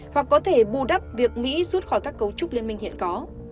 hoặc có thể bù đắp việc mỹ rút khỏi các cấu trúc liên minh hiện có